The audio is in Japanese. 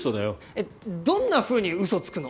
えどんなふうにウソつくの？